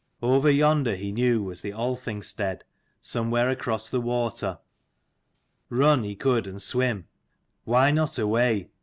Over yonder he knew was the Althing stead, somewhere across the water. Run he could and swim : why not away